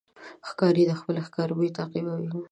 ښکاري د خپل ښکار بوی تعقیبوي.